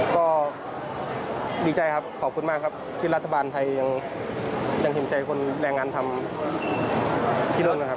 ก็ดีใจครับขอบคุณมากครับที่รัฐบาลไทยยังเห็นใจคนแรงงานทำที่นั่นนะครับ